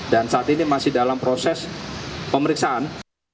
dan saat ini masih dalam proses pemeriksaan